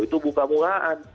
itu buka mukaan